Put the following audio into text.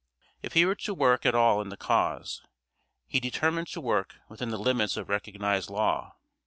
If he were to work at all in the cause, he determined to work within the limits of recognized law.